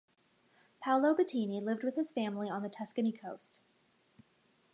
Paolo Bettini lived with his family on the Tuscany coast.